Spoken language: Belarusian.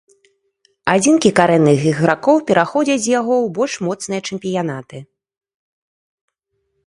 Адзінкі карэнных ігракоў пераходзяць з яго ў больш моцныя чэмпіянаты.